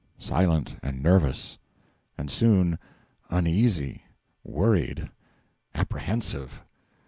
Silent and nervous. And soon uneasy worried apprehensive.